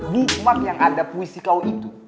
bukmat yang ada puisi kau itu